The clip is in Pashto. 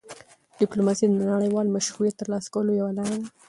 ډيپلوماسي د نړیوال مشروعیت ترلاسه کولو یوه لار ده.